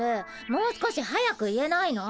もう少し速く言えないの？